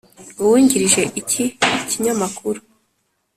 Uwungirije iki kinyamakuru.